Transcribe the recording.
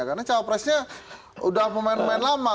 karena cawapresnya udah pemain pemain lama